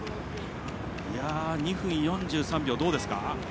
２分４３秒、どうですか？